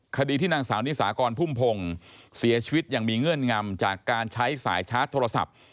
คดีที่นางสาวนิสากรพุ่มพงศ์เสียชีวิตอย่างมีเงื่อนงำจากการใช้สายชาร์จโทรศัพท์